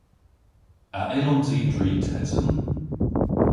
A yllons i dri tesen?